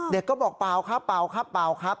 เด็กก็บอกเปล่าค่าเปล่าค่าเปล่าครับ